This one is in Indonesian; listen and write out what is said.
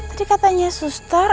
tadi katanya suster